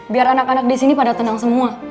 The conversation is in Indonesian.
biar anak anak di sini pada tenang semua